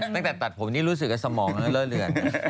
ตั้งแต่ตัดผมนี่รู้สึกว่าสมองเล่อเลือน